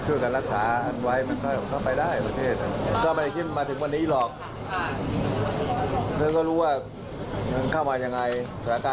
เขาไม่ตั้งใจอยู่บนหนึ่งขนาดนี้หรอก